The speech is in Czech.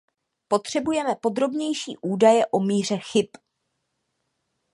Potřebujeme podrobnější údaje o míře chyb.